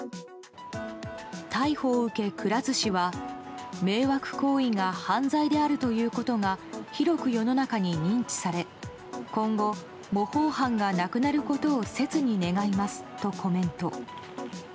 逮捕を受け、くら寿司は迷惑行為が犯罪であるということが広く世の中に認知され今後、模倣犯がなくなることを切に願いますとコメント。